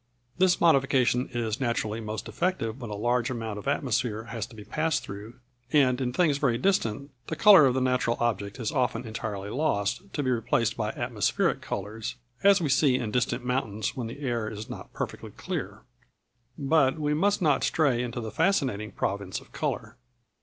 This modification is naturally most effective when a large amount of atmosphere has to be passed through, and in things very distant the colour of the natural object is often entirely lost, to be replaced by atmospheric colours, as we see in distant mountains when the air is not perfectly clear. But we must not stray into the fascinating province of colour.